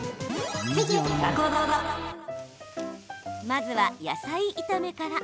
まずは野菜炒めから。